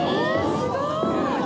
すごーい！